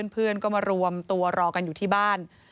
เพื่อนก็มารวมตัวรอกันอยู่ที่บ้าน